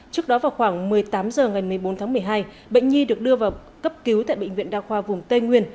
trước đó vào khoảng một mươi tám h ngày một mươi bốn tháng một mươi hai bệnh nhi được đưa vào cấp cứu tại bệnh viện đa khoa vùng tây nguyên